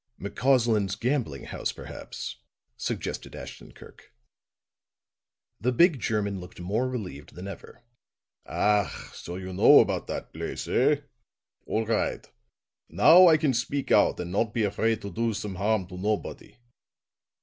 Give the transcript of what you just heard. "McCausland's gambling house, perhaps," suggested Ashton Kirk. The big German looked more relieved than ever. "Ach, so you know about dot place, eh? All ride. Now I can speak out and not be afraid to do some harm to nobody."